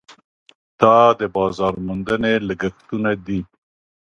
دا د بازار موندنې لګښټونه دي.